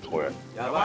やばい？